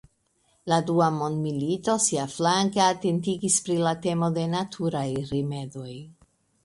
La Dua Mondmilito siaflanke atentigis pri la temo de naturaj rimedoj.